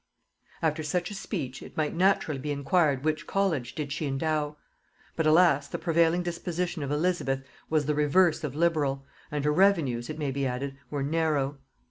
After such a speech, it might naturally be inquired, which college did she endow? But, alas! the prevailing disposition of Elizabeth was the reverse of liberal; and her revenues, it may be added, were narrow.